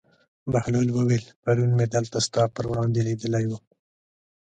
بهلول وویل: پرون مې دلته ستا پر وړاندې لیدلی و.